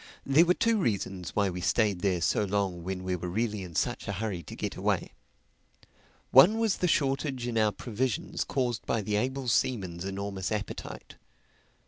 There were two reasons why we stayed there so long when we were really in such a hurry to get away. One was the shortage in our provisions caused by the able seaman's enormous appetite.